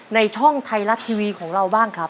ในช่องไทยรัฐทีวีของเราบ้างครับ